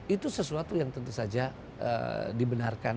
itu sesuatu yang tentu saja dibenarkan